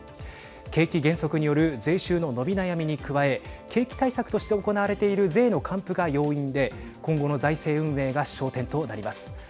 景気減速による税収の伸び悩みに加え景気対策として行われている税の還付が要因で今後の財政運営が焦点となります。